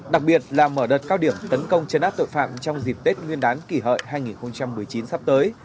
đặc biệt là mở đợt cao điểm tấn công chấn áp tội phạm trong dịp tết nguyên đán kỷ hợi hai nghìn một mươi chín sắp tới